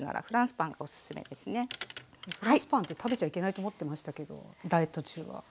フランスパンって食べちゃいけないと思ってましたけどダイエット中は。